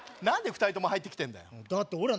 何で２人とも入ってきてんだよだって